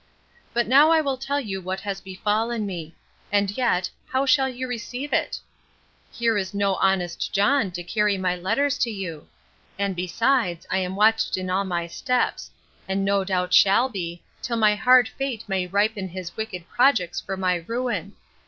But now I will tell you what has befallen me; and yet, how shall you receive it? Here is no honest John to carry my letters to you! And, besides, I am watched in all my steps; and no doubt shall be, till my hard fate may ripen his wicked projects for my ruin.